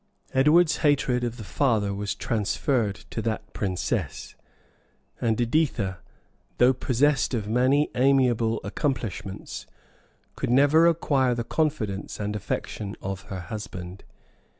Edward's hatred of the father was transferred to that princess ; and Editha, though possessed of many amiable accomplishments, could never acquire the confidence and affection of her husband.